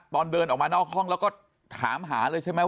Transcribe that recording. ตอนเดินออกมานอกห้องแล้วก็ถามหาเลยใช่ไหม